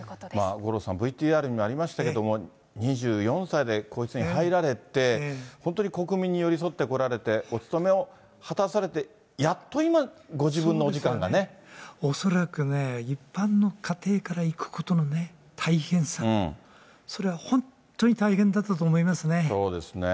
五郎さん、ＶＴＲにもありましたけれども、２４歳で皇室に入られて、本当に国民に寄り添ってこられて、お務めを果たされて、恐らく、一般の家庭からいくことの大変さ、それは本当に大変だったと思いまそうですね。